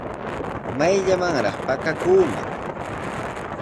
¿Mayllamanraq pakakuuman?